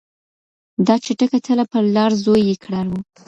دا چټکه تله پر لار زوی یې کرار و